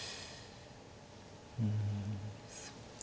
うんそっか。